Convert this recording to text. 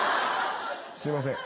すいません。